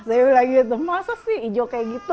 saya bilang gitu masa sih hijau kayak gitu